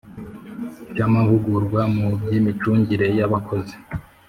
cy amahugurwa mu by imicungire y Abakozi